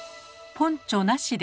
ポンチョなしで。